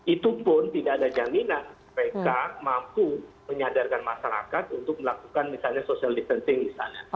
itu pun tidak ada jaminan mereka mampu menyadarkan masyarakat untuk melakukan misalnya social distancing misalnya